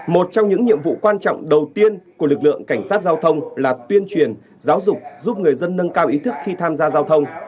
một trong những nhiệm vụ quan trọng đầu tiên của lực lượng cảnh sát giao thông là tuyên truyền giáo dục giúp người dân nâng cao ý thức khi tham gia giao thông